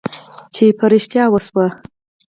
چې په رښتیا وشوه.